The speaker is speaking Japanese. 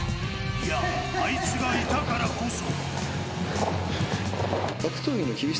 いや、あいつがいたからこそ。